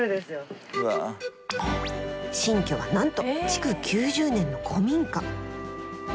新居はなんと築９０年の古民家。